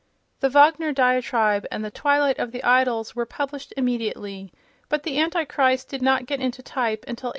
The Wagner diatribe and "The Twilight of the Idols" were published immediately, but "The Antichrist" did not get into type until 1895.